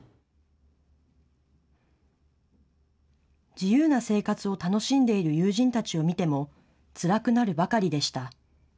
自由な生活を楽しんでいる友人たちを見てもつらくなるばかりでした。